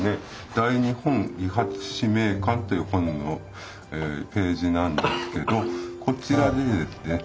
「大日本理髪師名鑑」という本のページなんですけどこちらにですね